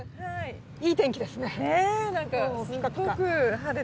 いい天気ですね。